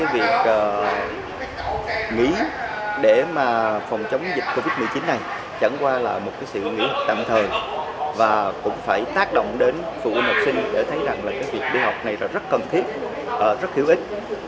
việc nghỉ để phòng chống dịch covid một mươi chín này chẳng qua là một sự nghĩ tạm thời và cũng phải tác động đến phụ huynh học sinh để thấy rằng là việc đi học này rất cần thiết rất hữu ích